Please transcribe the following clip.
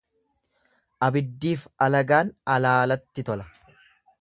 Abiddiif alagaan alaalatti tola.